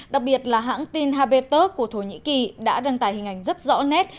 đặc biệt là hãng tin habettok của thổ nhĩ kỳ đã đăng tải hình ảnh rất rõ nét